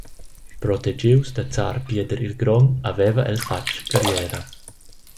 Protegius da zar Pieder il Grond haveva el fatg carriera.